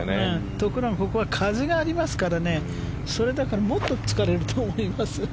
ところが、ここは風がありますからそれだからもっと疲れると思います。